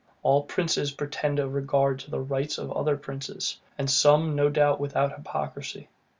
All princes pretend a regard to the rights of other princes; and some, no doubt, without hypocrisy.